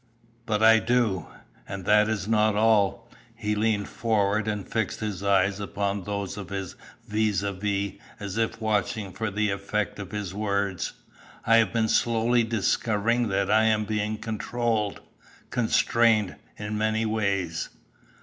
"But I do. And that is not all," he leaned forward and fixed his eyes upon those of his vis à vis as if watching for the effect of his words. "I have been slowly discovering that I am being controlled constrained in many ways."